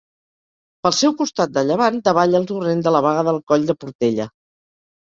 Pel seu costat de llevant davalla el torrent de la Baga del Coll de Portella.